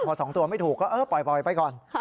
พอ๒ตัวไม่ถูกก็เออปล่อยไปก่อน